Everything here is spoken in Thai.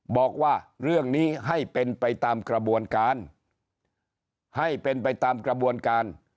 บอกว่าเรื่องนี้ให้เป็นไปตามกระบวนการให้เป็นไปตามกระบวนการ